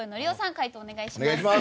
回答をお願いします。